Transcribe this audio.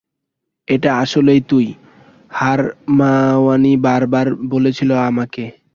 এটা আসলেই তুই, হারমায়োনি বার বার বলছিল আমাকে।